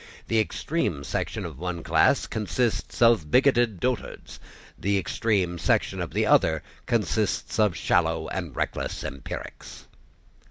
The extreme section of one class consists of bigoted dotards: the extreme section of the other consists of shallow and reckless empirics.